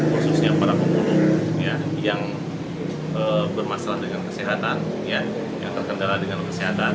khususnya para pemulung yang bermasalah dengan kesehatan yang terkendala dengan kesehatan